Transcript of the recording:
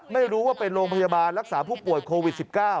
ไม่รู้ว่าเป็นโรงพยาบาลรักษาผู้ป่วยโควิด๑๙